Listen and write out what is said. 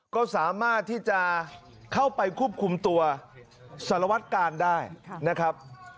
ก็สามารถที่จะเข้าไปควบคุมตัวสารวัตกาลได้นะครับ